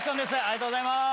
ありがとうございます。